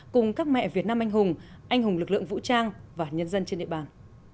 cùng các mẹ việt nam anh hùng anh hùng lực lượng vũ trang và nhân dân trên địa bàn